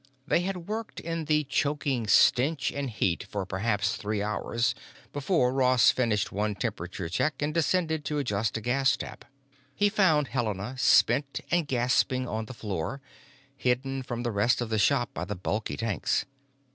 They had worked in the choking stench and heat for perhaps three hours before Ross finished one temperature check and descended to adjust a gas tap. He found Helena, spent and gasping, on the floor, hidden from the rest of the shop by the bulky tanks.